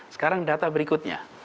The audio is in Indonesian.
sekarang data berikutnya